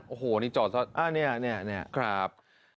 โอ้โฮนี่จอดแล้วครับ